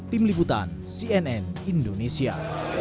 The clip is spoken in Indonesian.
tim liputan cnn indonesia